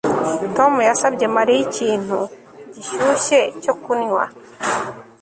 Tom yasabye Mariya ikintu gishyushye cyo kunywa